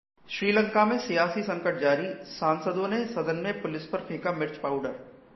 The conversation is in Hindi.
श्रीलंका में सियासी संकट जारी, सांसदों ने सदन में पुलिस पर फेंका मिर्च पाउडर